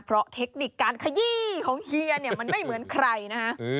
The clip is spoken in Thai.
เพราะเทคนิคการขยี้ของเฮียเนี่ยมันไม่เหมือนใครนะฮะ